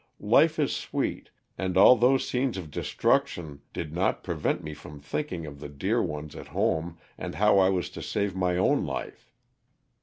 Life is sweet, and all those scenes of destruction did not prevent me from thinking of the dear ones at home and how I was to save my own life.